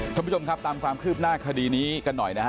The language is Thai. ท่านผู้ชมครับตามความคืบหน้าคดีนี้กันหน่อยนะฮะ